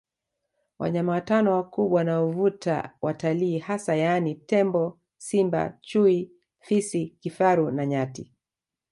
Wanyama watano wakubwa wanaovuta watalii hasa yaani tembo Simba Chui Fisi Kifaru na Nyati